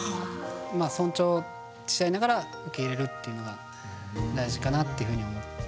尊重し合いながら受け入れるというのが大事かなっていうふうに思ってます。